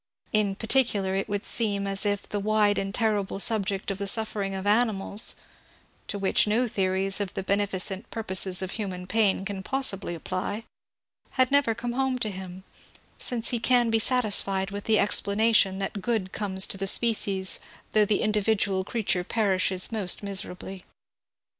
In particular it would seem as if the wide and terrible subject of the suffering of animals (to which no theories of the beneficent purposes of human pain can possibly apply) had never come home to him, — since he can be sat isfied with the explanation that good comes to the species though the individual creature perishes most miserably.